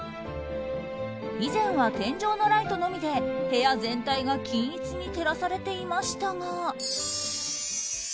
以前は天井のライトのみで部屋全体が均一に照らされていましたが。